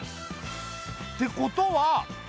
ってことは。